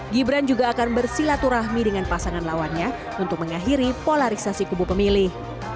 gibran juga akan bersilaturahmi dengan pasangan lawannya untuk mengakhiri polarisasi kubu pemilih